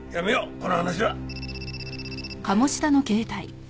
この話は。